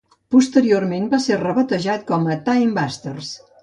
Posteriorment va ser rebatejat com "TimeBusters".